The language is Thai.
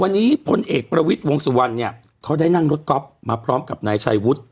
วันนี้พลเอกประวิทย์วงสุวรรณเนี่ยเขาได้นั่งรถก๊อฟมาพร้อมกับนายชัยวุฒิ